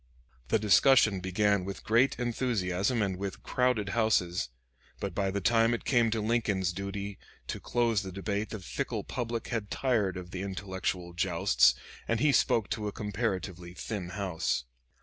The discussion began with great enthusiasm and with crowded houses, but by the time it came to Lincoln's duty to close the debate the fickle public had tired of the intellectual jousts, and he spoke to a comparatively thin house.